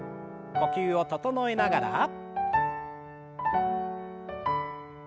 呼吸を整えながら。